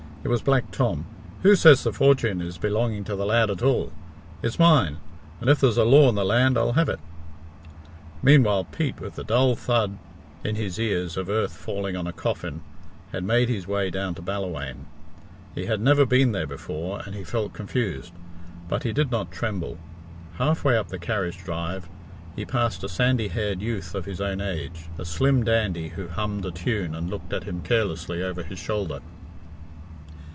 It was Black Tom. "Who says the fortune is belonging to the lad at all? It's mine, and if there's law in the land I'll have it." Meanwhile, Pete, with the dull thud in his ears of earth falling on a coffin, had made his way down to Ballawhaine. He had never been there before, and he felt confused, but he did not tremble. Half way up the carriage drive he passed a sandy haired youth of his own age, a slim dandy who hummed a tune and looked at him carelessly over his shoulder.